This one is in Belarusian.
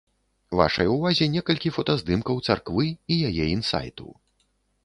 Вашай увазе некалькі фотаздымкаў царквы і яе інсайту.